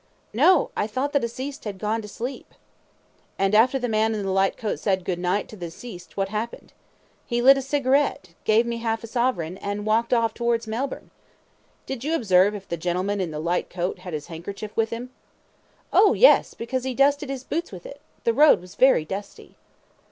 A. No; I thought the deceased had gone to sleep. Q. And after the man in the light coat said "good night" to the deceased, what happened? A. He lit a cigarette, gave me a half sovereign, and walked off towards Melbourne. Q. Did you observe if the gentleman in the light coat had his handkerchief with him? A. Oh, yes; because he dusted his boots with it. The road was very dusty.